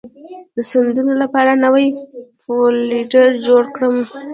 د سندونو لپاره نوې فولډر جوړه کړم.